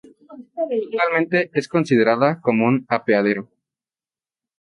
Actualmente es considerada como un apeadero.